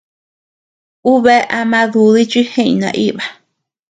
Ú bea ama dudi chi jeʼeñ naíba.